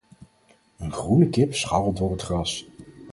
Een groene kip scharrelt door het gras.